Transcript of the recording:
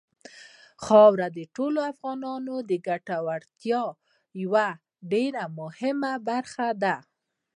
خاوره د ټولو افغانانو د ګټورتیا یوه ډېره مهمه برخه ده.